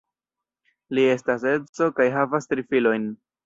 Li estas edzo kaj havas tri filojn.